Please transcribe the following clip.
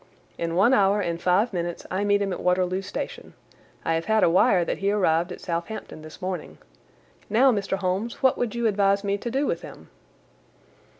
In one hour and five minutes I meet him at Waterloo Station. I have had a wire that he arrived at Southampton this morning. Now, Mr. Holmes, what would you advise me to do with him?"